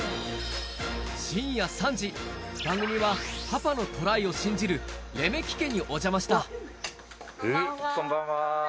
深夜３時、番組はパパのトライを信じるレメキ家にお邪魔した。